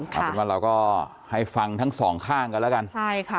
เอาเป็นว่าเราก็ให้ฟังทั้งสองข้างกันแล้วกันใช่ค่ะ